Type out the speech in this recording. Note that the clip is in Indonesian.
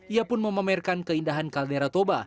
ia pun memamerkan keindahan kaldera toba